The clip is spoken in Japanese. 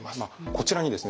こちらにですね